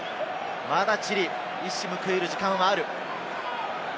まだチリ、一矢報いる時間はある。